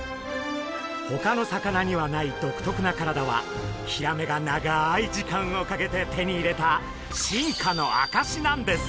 ほかの魚にはない独特な体はヒラメが長い時間をかけて手に入れた進化の証しなんです。